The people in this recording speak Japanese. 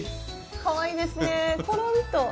かわいいですねころんと。